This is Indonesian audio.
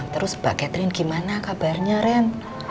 terus pak catherine gimana kabarnya ren